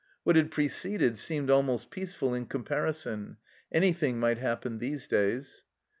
What had pre ceded seemed almost peaceful in comparison ; any thing might happen these days.